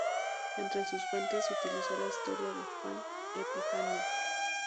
Entre sus fuentes utilizó la historia de Juan de Epifanía.